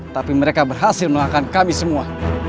tapi mereka berhasil melangkan kami semua